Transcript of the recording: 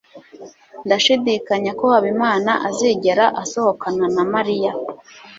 Ndashidikanya ko Habimana azigera asohokana na Mariya.